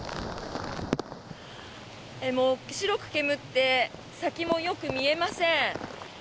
白く煙って先もよく見えません。